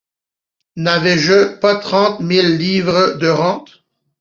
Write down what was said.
N’avais-je pas trente mille livres de rente ?